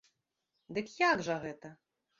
Дык як жа гэта?